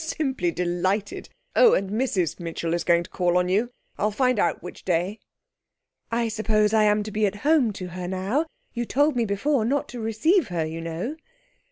Simply delighted. Oh, and Mrs Mitchell is going to call on you. I'll find out which day.' 'I suppose I am to be at home to her now? You told me before not to receive her, you know.'